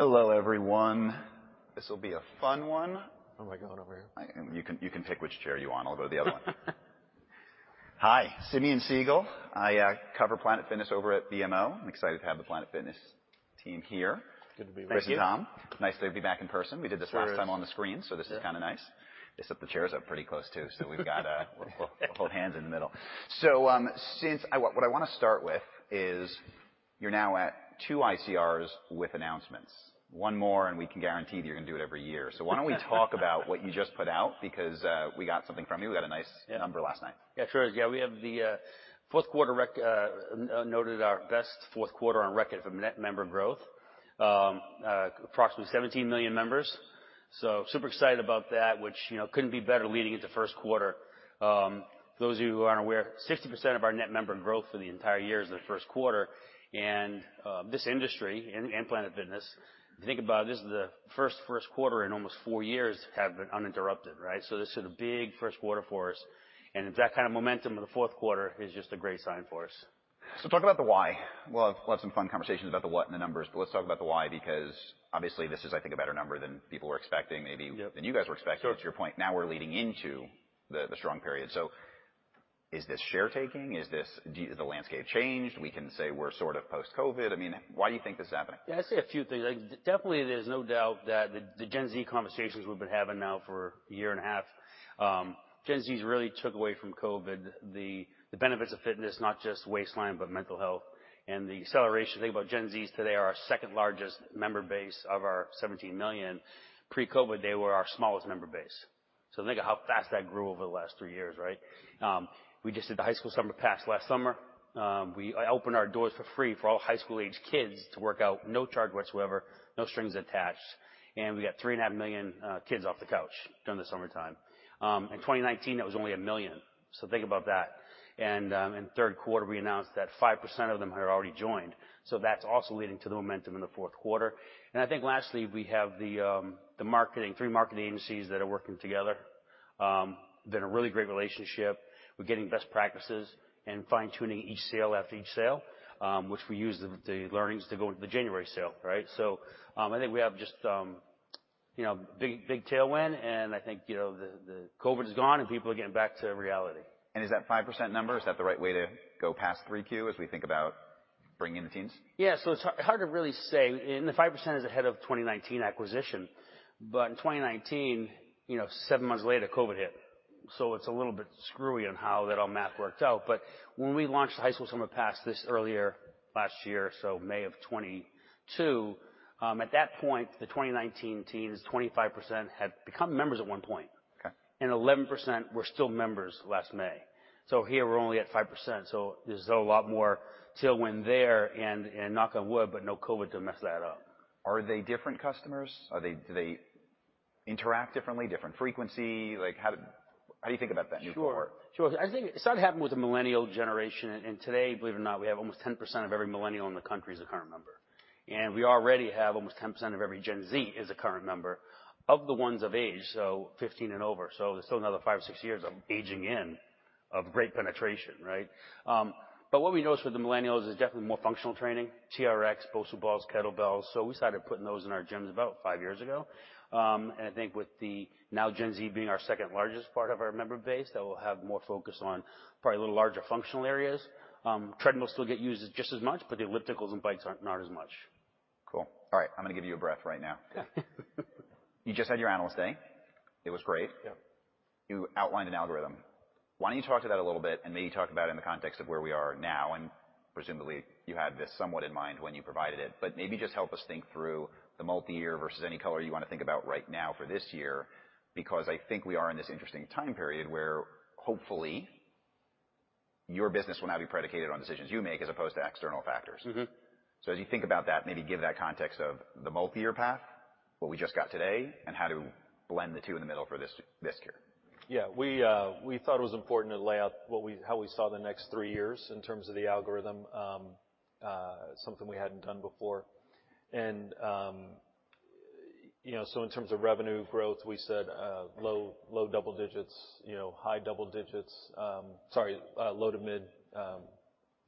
Hello, everyone. This will be a fun one. Oh, my God. Over here. You can pick which chair you want. I'll go to the other one. Hi. Simeon Siegel. I cover Planet Fitness over at BMO. I'm excited to have the Planet Fitness team here. Good to be with you. Chris and Tom, nice to be back in person. Sure is. We did this last time on the screen. Yeah. This is kinda nice. They set the chairs up pretty close, too. We've got, we'll hold hands in the middle. Since. What I wanna start with is you're now at two ICRs with announcements. One more, and we can guarantee that you're gonna do it every year. Why don't we talk about what you just put out because we got something from you. We had a nice- Yeah. -number last night. Yeah. Sure. Yeah, we have the fourth quarter noted our best fourth quarter on record from net member growth. Approximately 17 million members, so super excited about that, which, you know, couldn't be better leading into first quarter. Those of you who aren't aware, 60% of our net member growth for the entire year is the first quarter. This industry and Planet Fitness, if you think about it, this is the first first quarter in almost 4 years to have been uninterrupted, right? This is a big first quarter for us, and that kind of momentum in the fourth quarter is just a great sign for us. Talk about the why. We'll have some fun conversations about the what and the numbers, but let's talk about the why, because obviously this is, I think, a better number than people were expecting, maybe... Yep. than you guys were expecting. Sure. To your point, now we're leading into the strong period. Is this share taking? Has the landscape changed? We can say we're sort of post-COVID. I mean, why do you think this is happening? Yeah, I'd say a few things. Definitely, there's no doubt that the Gen Z conversations we've been having now for a year and a half, Gen Z really took away from COVID the benefits of fitness, not just waistline, but mental health. The acceleration, think about Gen Z today are our second largest member base of our 17 million. Pre-COVID, they were our smallest member base. Think of how fast that grew over the last three years, right? We just did the High School Summer Pass last summer. We opened our doors for free for all high school-aged kids to work out, no charge whatsoever, no strings attached. We got 3.5 million kids off the couch during the summertime. In 2019, that was only 1 million, think about that. In third quarter, we announced that 5% of them had already joined. That's also leading to the momentum in the fourth quarter. I think lastly, we have the marketing, three marketing agencies that are working together. Been a really great relationship. We're getting best practices and fine-tuning each sale after each sale, which we use the learnings to go into the January sale, right? I think we have just, you know, big, big tailwind, and I think, you know, the COVID is gone, and people are getting back to reality. Is that 5% number, is that the right way to go past 3Q as we think about bringing in the teens? Yeah. It's hard to really say. The 5% is ahead of 2019 acquisition. In 2019, you know, 7 months later, COVID hit. It's a little bit screwy on how that all math worked out. When we launched the High School Summer Pass this earlier last year, May of 2022, at that point, the 2019 teens, 25% had become members at one point. Okay. 11% were still members last May. Here we're only at 5%, so there's a lot more tailwind there and knock on wood, but no COVID to mess that up. Are they different customers? Do they interact differently, different frequency? Like, how do you think about that new cohort? Sure. Sure. I think it started happening with the Millennial generation. Today, believe it or not, we have almost 10% of every Millennial in the country is a current member. We already have almost 10% of every Gen Z is a current member, of the ones of age, so 15 and over. There's still another five or six years of aging in of great penetration, right? What we noticed with the Millennials is definitely more functional training, TRX, BOSU balls, kettlebells. We started putting those in our gyms about five years ago. I think with the now Gen Z being our second largest part of our member base, that we'll have more focus on probably a little larger functional areas. Treadmills still get used just as much, the ellipticals and bikes aren't, not as much. Cool. All right. I'm gonna give you a breath right now. You just had your analyst day. It was great. Yeah. You outlined an algorithm. Why don't you talk to that a little bit and maybe talk about it in the context of where we are now, and presumably you had this somewhat in mind when you provided it? Maybe just help us think through the multi-year versus any color you wanna think about right now for this year, because I think we are in this interesting time period where hopefully your business will now be predicated on decisions you make as opposed to external factors. Mm-hmm. As you think about that, maybe give that context of the multi-year path, what we just got today, and how to blend the two in the middle for this year. Yeah. We thought it was important to lay out how we saw the next 3 years in terms of the algorithm, something we hadn't done before. You know, in terms of revenue growth, we said, low double digits, you know, high double digits. Sorry, low to mid,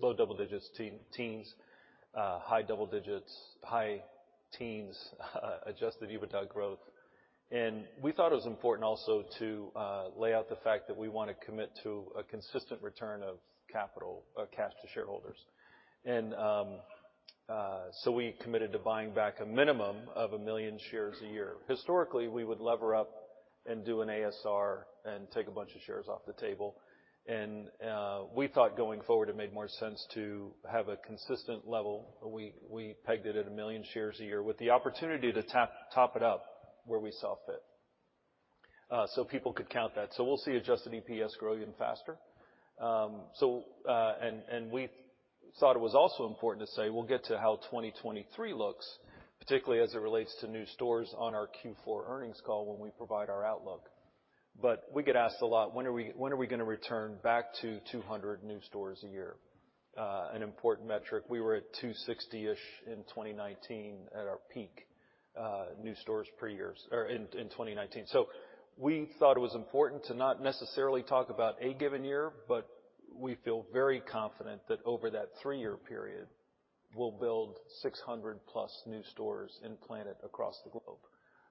low double digits, teens, high double digits, high teens, Adjusted EBITDA growth. We thought it was important also to lay out the fact that we wanna commit to a consistent return of capital, cash to shareholders. We committed to buying back a minimum of 1 million shares a year. Historically, we would lever up and do an ASR and take a bunch of shares off the table. We thought going forward it made more sense to have a consistent level. We pegged it at 1 million shares a year with the opportunity to top it up where we saw fit. People could count that. We'll see adjusted EPS grow even faster. So, we thought it was also important to say we'll get to how 2023 looks, particularly as it relates to new stores on our Q4 earnings call when we provide our outlook. We get asked a lot, when are we gonna return back to 200 new stores a year? An important metric. We were at 260-ish in 2019 at our peak. New stores per years or in 2019. We thought it was important to not necessarily talk about a given year, but we feel very confident that over that three-year period, we'll build 600+ new stores and Planet across the globe.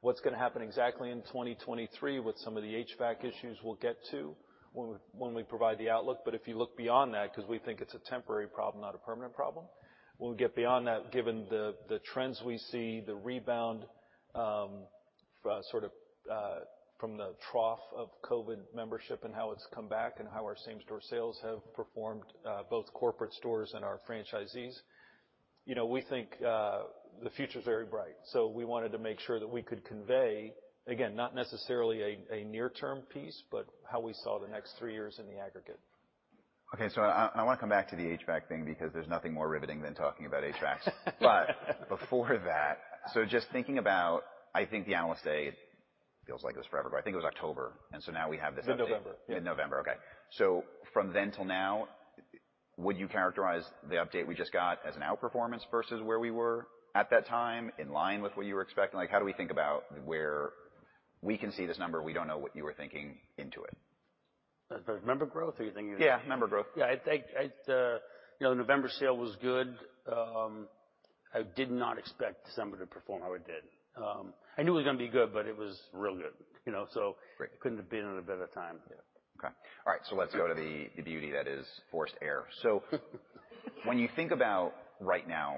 What's gonna happen exactly in 2023 with some of the HVAC issues we'll get to when we provide the outlook. If you look beyond that, 'cause we think it's a temporary problem, not a permanent problem. When we get beyond that, given the trends we see, the rebound for sort of from the trough of COVID membership and how it's come back and how our same-store sales have performed, both corporate stores and our franchisees. You know, we think the future's very bright. We wanted to make sure that we could convey, again, not necessarily a near-term piece, but how we saw the next three years in the aggregate. Okay. I wanna come back to the HVAC thing because there's nothing more riveting than talking about HVACs. Before that, just thinking about, I think the analyst day, it feels like it was forever, but I think it was October. Now we have this update. It's November. Yeah. In November. Okay. From then till now, would you characterize the update we just got as an outperformance versus where we were at that time in line with what you were expecting? Like, how do we think about where... We can see this number. We don't know what you were thinking into it. The member growth? Or you're thinking- Yeah, member growth. Yeah. I think, it, you know, November sale was good. I did not expect December to perform how it did. I knew it was gonna be good, but it was real good, you know. Great. It couldn't have been at a better time. Yeah. Okay. All right. Let's go to the beauty that is forced air. When you think about right now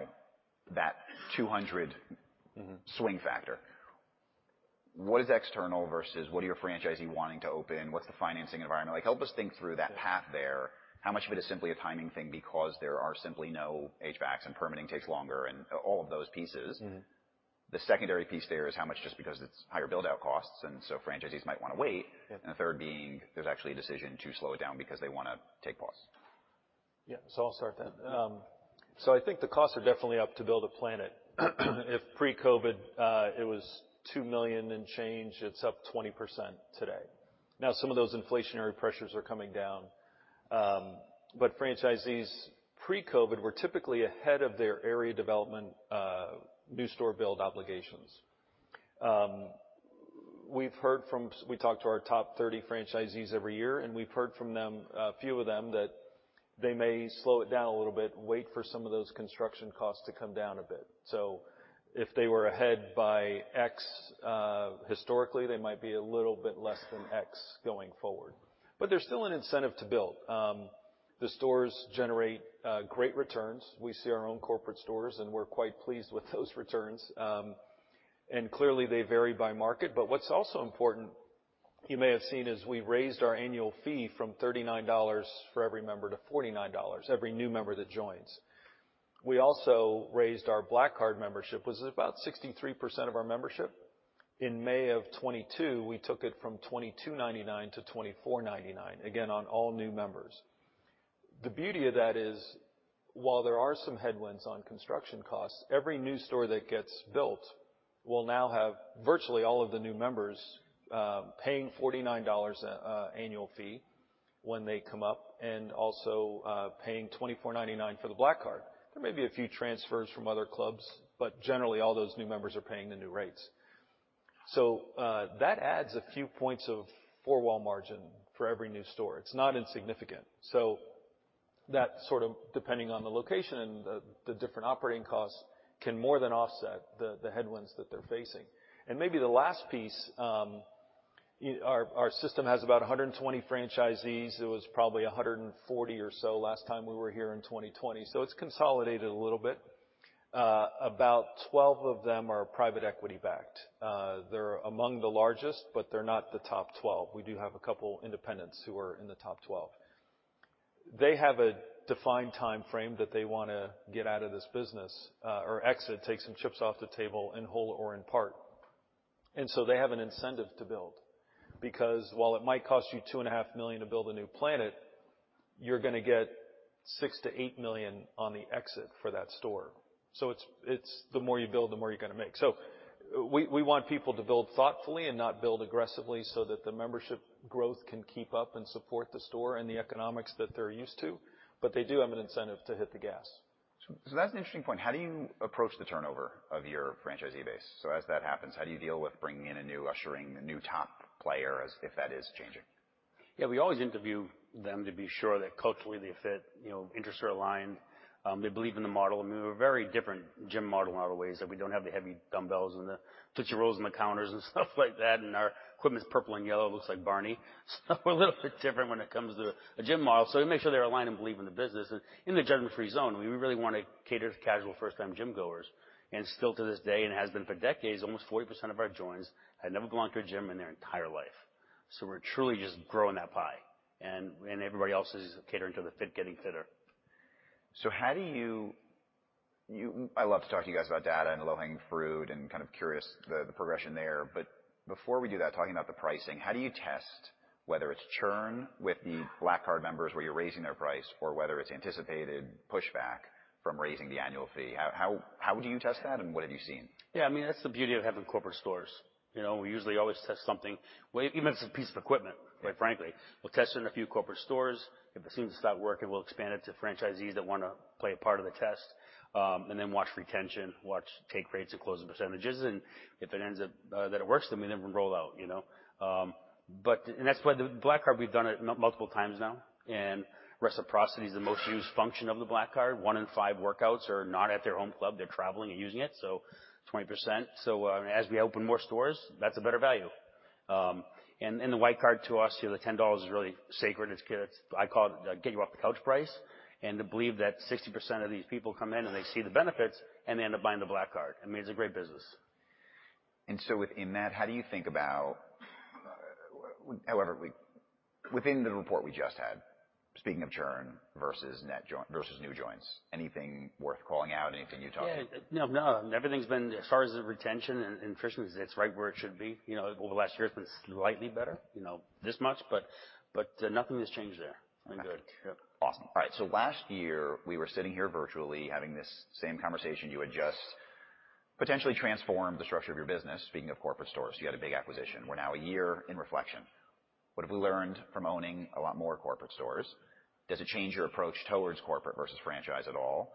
that 200- Mm-hmm. -swing factor, what is external versus what are your franchisee wanting to open? What's the financing environment? Like, help us think through that path there. How much of it is simply a timing thing because there are simply no HVACs and permitting takes longer and all of those pieces? Mm-hmm. The secondary piece there is how much just because it's higher build-out costs, and so franchisees might wanna wait. Yeah. The third being, there's actually a decision to slow it down because they wanna take pause. I'll start then. I think the costs are definitely up to build a Planet. If pre-COVID, it was $2 million and change, it's up 20% today. Now, some of those inflationary pressures are coming down. Franchisees pre-COVID were typically ahead of their area development new store build obligations. We talk to our top 30 franchisees every year, and we've heard from them, a few of them that they may slow it down a little bit, wait for some of those construction costs to come down a bit. If they were ahead by X, historically, they might be a little bit less than X going forward. There's still an incentive to build. The stores generate great returns. We see our own corporate stores, and we're quite pleased with those returns. Clearly, they vary by market. What's also important, you may have seen, is we raised our annual fee from $39 for every member to $49, every new member that joins. We also raised our PF Black Card membership. It was about 63% of our membership. In May of 2022, we took it from $22.99 to $24.99, again, on all new members. The beauty of that is, while there are some headwinds on construction costs, every new store that gets built will now have virtually all of the new members paying $49 annual fee when they come up and also paying $24.99 for the PF Black Card. There may be a few transfers from other clubs, but generally, all those new members are paying the new rates. That adds a few points of four-wall margin for every new store. It's not insignificant. That sort of depending on the location and the different operating costs can more than offset the headwinds that they're facing. Maybe the last piece, our system has about 120 franchisees. It was probably 140 or so last time we were here in 2020. It's consolidated a little bit. About 12 of them are private equity-backed. They're among the largest, but they're not the top 12. We do have a couple independents who are in the top 12. They have a defined timeframe that they wanna get out of this business or exit, take some chips off the table in whole or in part. They have an incentive to build because while it might cost you two and a half million dollars to build a new Planet, you're gonna get $6 million-$8 million on the exit for that store. It's the more you build, the more you're gonna make. We want people to build thoughtfully and not build aggressively so that the membership growth can keep up and support the store and the economics that they're used to, but they do have an incentive to hit the gas. That's an interesting point. How do you approach the turnover of your franchisee base? As that happens, how do you deal with bringing in a new, ushering the new top player as if that is changing? Yeah, we always interview them to be sure that culturally they fit, you know, interests are aligned, they believe in the model. I mean, we're a very different gym model in a lot of ways, that we don't have the heavy dumbbells and the Tootsie Rolls in the counters and stuff like that, and our equipment's purple and yellow, looks like Barney. We're a little bit different when it comes to a gym model. We make sure they're aligned and believe in the business. In the Judgement Free Zone, we really wanna cater to casual first-time gym goers. Still to this day, and has been for decades, almost 40% of our joins had never belonged to a gym in their entire life. We're truly just growing that pie and everybody else is catering to the fit, getting fitter. I love to talk to you guys about data and low-hanging fruit and kind of curious the progression there. Before we do that, talking about the pricing, how do you test whether it's churn with the PF Black Card members where you're raising their price or whether it's anticipated pushback from raising the annual fee? How would you test that, and what have you seen? Yeah. I mean, that's the beauty of having corporate stores. You know, we usually always test something well, even if it's a piece of equipment, quite frankly. Right. We'll test it in a few corporate stores. If it seems to start working, we'll expand it to franchisees that wanna play a part of the test, and then watch retention, watch take rates and closing percentages, and if it ends up that it works, then we then roll out, you know. That's why the Black Card, we've done it multiple times now, and reciprocity is the most used function of the Black Card. One in five workouts are not at their home club. They're traveling and using it, so 20%. As we open more stores, that's a better value. The White Card to us, you know, the $10 is really sacred. I call it the get-you-off-the-couch price. To believe that 60% of these people come in and they see the benefits, and they end up buying the Black Card, I mean, it's a great business. Within that, how do you think about however within the report we just had, speaking of churn versus new joins, anything worth calling out? Anything you talk about? Yeah. No, no, everything's been as far as the retention and attrition, it's right where it should be. You know, over the last year it's been slightly better, you know, this much, but nothing has changed there. Okay. I'm good. Yep. Awesome. All right. Last year, we were sitting here virtually having this same conversation. You had just potentially transformed the structure of your business. Speaking of corporate stores, you had a big acquisition. We're now a year in reflection. What have we learned from owning a lot more corporate stores? Does it change your approach towards corporate versus franchise at all?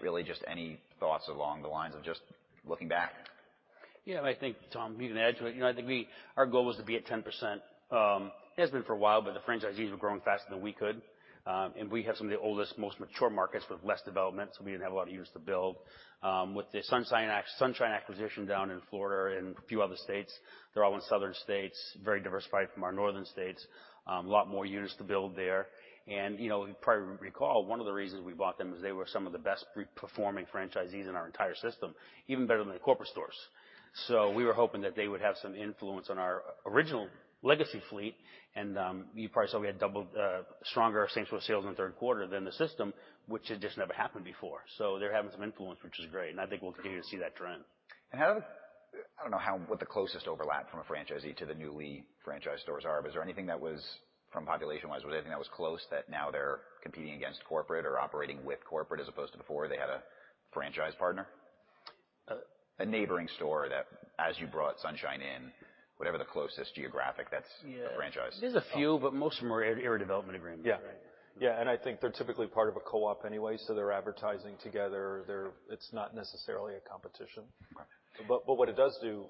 Really just any thoughts along the lines of just looking back. Yeah. I think, Tom, you can add to it. You know, I think our goal was to be at 10%, has been for a while, but the franchisees were growing faster than we could. We have some of the oldest, most mature markets with less development, so we didn't have a lot of years to build. With the Sunshine acquisition down in Florida and a few other states, they're all in southern states, very diversified from our northern states, a lot more units to build there. You know, you probably recall one of the reasons we bought them is they were some of the best pre-performing franchisees in our entire system, even better than the corporate stores. We were hoping that they would have some influence on our original legacy fleet. You probably saw we had double stronger same store sales in the third quarter than the system, which had just never happened before. They're having some influence, which is great, and I think we'll continue to see that trend. I don't know what the closest overlap from a franchisee to the newly franchised stores are. Is there anything that was from population-wise, was there anything that was close that now they're competing against corporate or operating with corporate, as opposed to before they had a franchise partner? Uh- A neighboring store that as you brought Sunshine in, whatever the closest geographic that's a franchise. Yeah. There's a few, but most of them are area development agreements. Yeah. Yeah, I think they're typically part of a co-op anyway, so they're advertising together. It's not necessarily a competition. Okay. What it does do.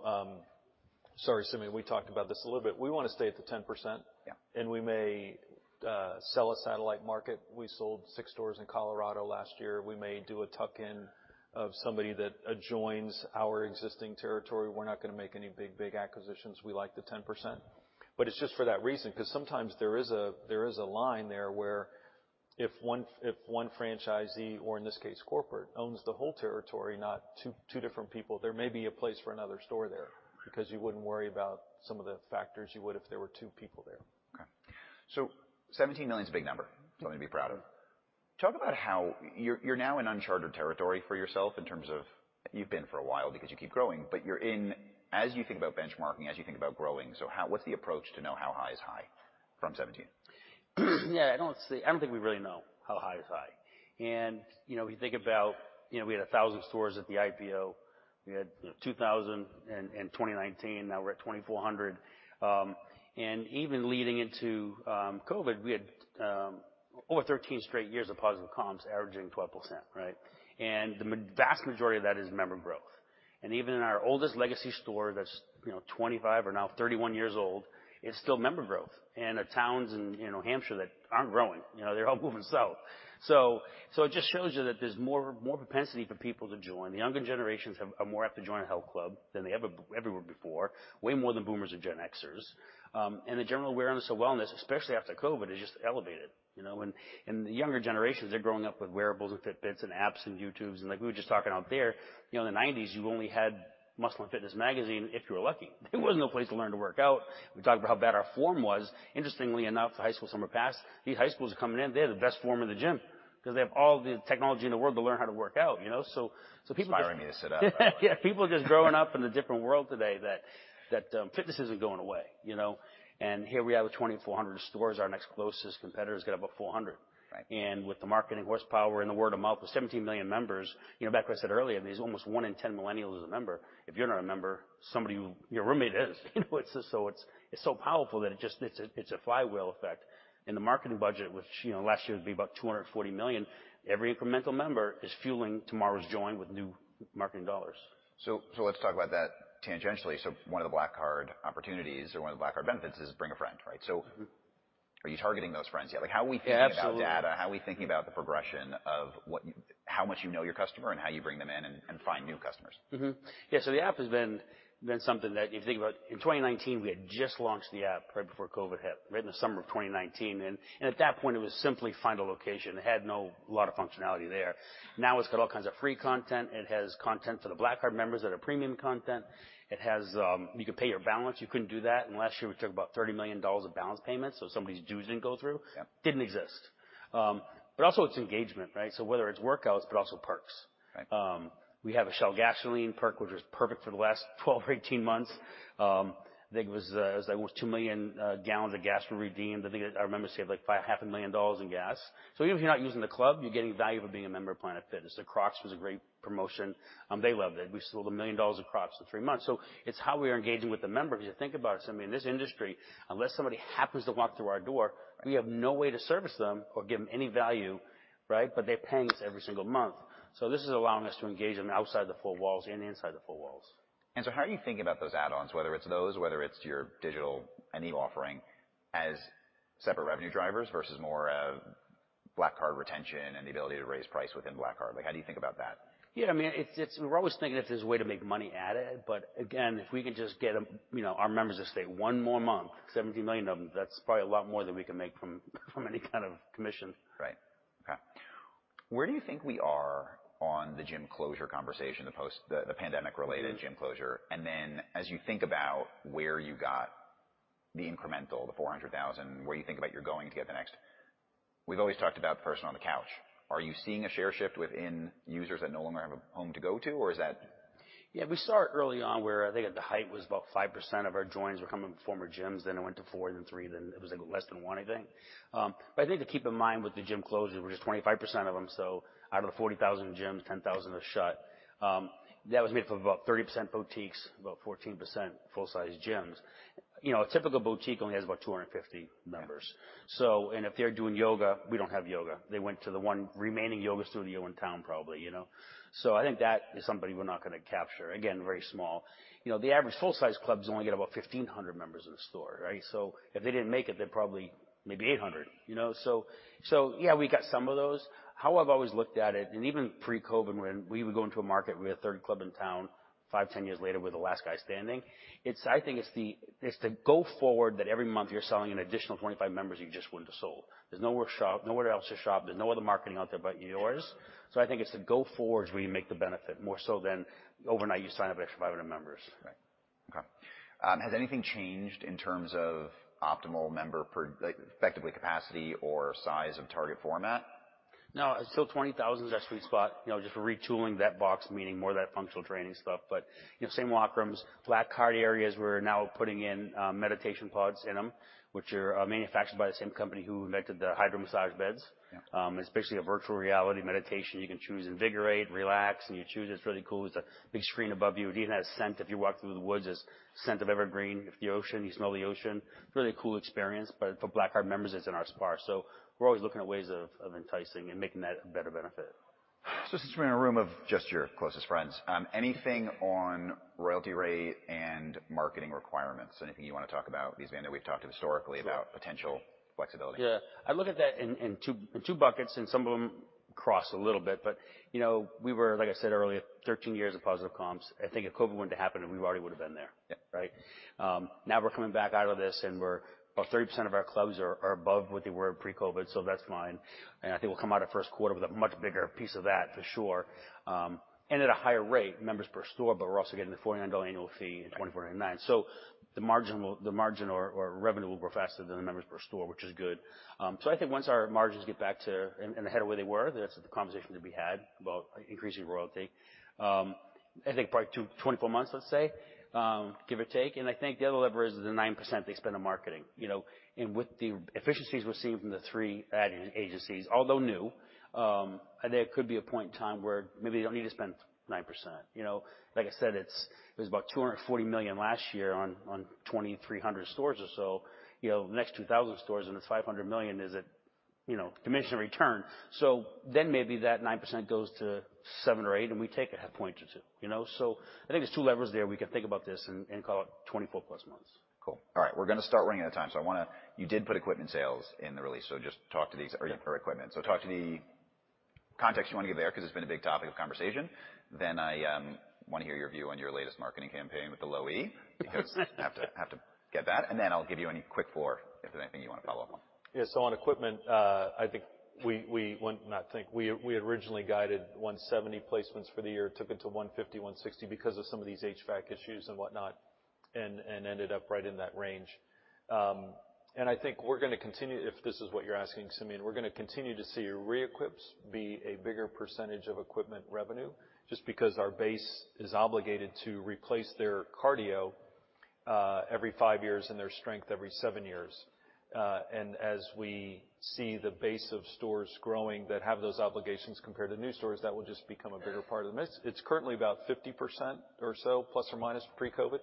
Sorry, Simeon, we talked about this a little bit. We wanna stay at the 10%. Yeah. We may sell a satellite market. We sold six stores in Colorado last year. We may do a tuck-in of somebody that adjoins our existing territory. We're not gonna make any big acquisitions. We like the 10%. It's just for that reason, 'cause sometimes there is a line there where if one franchisee, or in this case corporate, owns the whole territory, not two different people, there may be a place for another store there because you wouldn't worry about some of the factors you would if there were two people there. 17 million is a big number, something to be proud of. Talk about how you're now in uncharted territory for yourself in terms of you've been for a while because you keep growing, but you're in, as you think about benchmarking, as you think about growing, what's the approach to know how high is high from 17? Yeah. I don't think we really know how high is high. You know, we think about, you know, we had 1,000 stores at the IPO. We had, you know, 2,000 in 2019, now we're at 2,400. Even leading into COVID, we had over 13 straight years of positive comps averaging 12%, right? The vast majority of that is member growth. Even in our oldest legacy store that's, you know, 25 or now 31 years old, it's still member growth. The towns in, you know, Hampshire that aren't growing, you know, they're all moving south. It just shows you that there's more propensity for people to join. The younger generations have, are more apt to join a health club than they ever were before, way more than boomers or Gen Xers. The general awareness of wellness, especially after COVID, is just elevated, you know. The younger generations, they're growing up with wearables and Fitbit and apps and YouTube. Like we were just talking out there, you know, in the nineties, you only had Muscle & Fitness, if you were lucky. There was no place to learn to work out. We talked about how bad our form was. Interestingly enough, the High School Summer Pass, these high schools are coming in, they have the best form in the gym because they have all the technology in the world to learn how to work out, you know? People just- Inspiring me to sit up. Yeah. People are just growing up in a different world today that, fitness isn't going away, you know. Here we are with 2,400 stores. Our next closest competitor has got about 400. Right. With the marketing horsepower and the word of mouth with 17 million members, you know, back what I said earlier, there's almost 1 in 10 millennials is a member. If you're not a member, somebody your roommate is. You know, it's just so, it's so powerful that it just, it's a, it's a flywheel effect. The marketing budget, which, you know, last year would be about $240 million, every incremental member is fueling tomorrow's join with new marketing dollars. Let's talk about that tangentially. One of the Black Card opportunities or one of the Black Card benefits is bring a friend, right? Mm-hmm. Are you targeting those friends? Yeah, like how are we thinking about data? Yeah, absolutely. How are we thinking about the progression of how much you know your customer and how you bring them in and find new customers? Yeah, the app has been something that you think about. In 2019, we had just launched the app right before COVID hit, right in the summer of 2019. At that point, it was simply find a location. It had a lot of functionality there. Now it's got all kinds of free content. It has content for the Black Card members that are premium content. It has. You could pay your balance. You couldn't do that. Last year, we took about $30 million of balance payments. Somebody's dues didn't go through. Yeah. Didn't exist. Also it's engagement, right? Whether it's workouts, but also perks. Right. We have a Shell gasoline perk, which was perfect for the last 12 or 18 months. I think it was 2 million gallons of gas were redeemed. I think our members saved like half a million dollars in gas. Even if you're not using the club, you're getting value from being a member of Planet Fitness. The Crocs was a great promotion. They loved it. We sold $1 million of Crocs in 3 months. It's how we are engaging with the members. If you think about it, Simeon, this industry, unless somebody happens to walk through our door, we have no way to service them or give them any value, right? They're paying us every single month. This is allowing us to engage them outside the four walls and inside the four walls. How are you thinking about those add-ons, whether it's those, whether it's your digital, any offering as separate revenue drivers versus more of Black Card retention and the ability to raise price within Black Card? Like, how do you think about that? Yeah, I mean, it's. We're always thinking if there's a way to make money at it. Again, if we can just get 'em, you know, our members to stay one more month, 70 million of them, that's probably a lot more than we can make from any kind of commission. Right. Okay. Where do you think we are on the gym closure conversation, the pandemic-related- Mm-hmm. -gym closure? As you think about where you got the incremental, the 400,000, where you think about you're going to get the next... We've always talked about person on the couch. Are you seeing a share shift within users that no longer have a home to go to? Or is that- Yeah, we saw it early on where I think at the height was about 5% of our joins were coming from former gyms, then it went to four, then three, then it was, like, less than one, I think. I think to keep in mind with the gym closures, we're just 25% of them, so out of the 40,000 gyms, 10,000 are shut. That was made up of about 30% boutiques, about 14% full-sized gyms. You know, a typical boutique only has about 250 members. Yeah. If they're doing yoga, we don't have yoga. They went to the one remaining yoga studio in town, probably, you know? I think that is somebody we're not gonna capture. Again, very small. You know, the average full-sized clubs only get about 1,500 members in the store, right? If they didn't make it, they're probably maybe 800, you know? Yeah, we got some of those. How I've always looked at it, and even pre-COVID when we would go into a market, we had third club in town, five, 10 years later, we're the last guy standing. I think it's the, it's the go forward that every month you're selling an additional 25 members you just wouldn't have sold. There's no workshop, nowhere else to shop, there's no other marketing out there but yours. I think it's the go forwards where you make the benefit, more so than overnight you sign up an extra 500 members. Right. Okay. Has anything changed in terms of optimal member like, effectively capacity or size of target format? No. 20,000 is our sweet spot, you know, just for retooling that box, meaning more of that functional training stuff. You know, same locker rooms. Black Card areas, we're now putting in meditation pods in them, which are manufactured by the same company who invented the HydroMassage beds. Yeah. It's basically a virtual reality meditation. You can choose invigorate, relax. You choose. It's really cool. There's a big screen above you. It even has scent. If you walk through the woods, there's scent of evergreen. If the ocean, you smell the ocean. It's really a cool experience. For Black Card members, it's in our spa. We're always looking at ways of enticing and making that a better benefit. Since we're in a room of just your closest friends, anything on royalty rate and marketing requirements? Anything you wanna talk about? I know we've talked historically... Sure. about potential flexibility. Yeah. I look at that in two buckets, and some of them cross a little bit. You know, we were, like I said earlier, 13 years of positive comps. I think if COVID wouldn't have happened, we already would've been there. Yeah. Right? Now we're coming back out of this and we're about 30% of our clubs are above what they were pre-COVID, so that's fine. I think we'll come out of first quarter with a much bigger piece of that, for sure, and at a higher rate, members per store, but we're also getting the $49 annual fee and $24.99. The margin or revenue will grow faster than the members per store, which is good. I think once our margins get back to and ahead of where they were, that's the conversation to be had about increasing royalty. I think probably 24 months, let's say, give or take. I think the other lever is the 9% they spend on marketing, you know. With the efficiencies we're seeing from the three ad agencies, although new, there could be a point in time where maybe they don't need to spend 9%, you know. Like I said, it was about $240 million last year on 2,300 stores or so. You know, next 2,000 stores and it's $500 million, is it, you know, commission return. Maybe that 9% goes to 7% or 8% and we take a point or two, you know. I think there's two levers there. We can think about this and call it 24+ months. Cool. All right. We're gonna start running out of time. You did put equipment sales in the release, so just talk to these. Yeah. Equipment. Talk to the context you wanna give there, 'cause it's been a big topic of conversation. I wanna hear your view on your latest marketing campaign with the Low E. I have to get that. I'll give you any quick floor if there's anything you wanna follow up on. Yeah. On equipment, I think we... well, not think. We had originally guided 170 placements for the year, took it to 150-160 because of some of these HVAC issues and whatnot, and ended up right in that range. And I think we're gonna continue, if this is what you're asking, Simeon, we're gonna continue to see reequips be a bigger percentage of equipment revenue just because our base is obligated to replace their cardio every 5 years and their strength every 7 years. As we see the base of stores growing that have those obligations compared to new stores, that will just become a bigger part of the mix. It's currently about 50% or so, ± pre-COVID.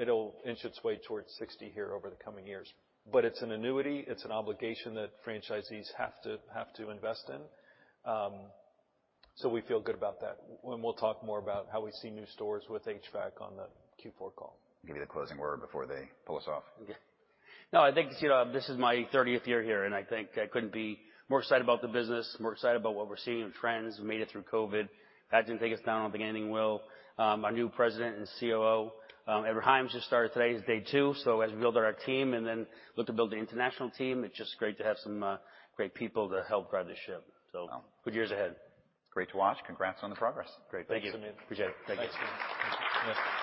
It'll inch its way towards 60 here over the coming years. It's an annuity, it's an obligation that franchisees have to invest in. We feel good about that. We'll talk more about how we see new stores with HVAC on the Q4 call. Give you the closing word before they pull us off. Okay. No, I think, Simeon, this is my 30th year here, and I think I couldn't be more excited about the business, more excited about what we're seeing in trends. We made it through COVID. That didn't take us down. I don't think anything will. Our new President and COO, Edward Hymes, just started. Today is day 2. As we build out our team and then look to build the international team, it's just great to have some great people to help drive the ship. Wow. Good years ahead. Great to watch. Congrats on the progress. Great. Thank you. Appreciate it. Thank you.